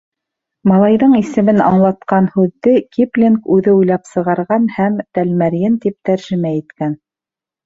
Малайҙың исемен аңлатҡан һүҙҙе Киплинг үҙе уйлап сығарған һәм «тәлмәрйен» тип тәржемә иткән.